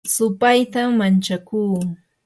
supaytam manchakuu